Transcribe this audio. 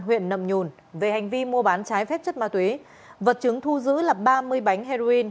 huyện nậm nhồn về hành vi mua bán trái phép chất ma túy vật chứng thu giữ là ba mươi bánh heroin